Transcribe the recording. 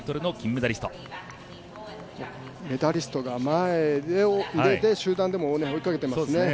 メダリストが前に出て集団でも追いかけてますね。